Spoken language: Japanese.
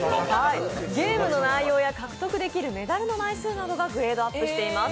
ゲームの内容や獲得できるメダルの枚数などがグレードアップしています。